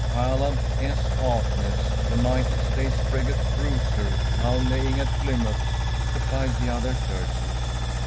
“Caleb S. Harkness, United States frigate Bruiser, now lying at Plymouth,‚ÄĚ replied the other, tersely.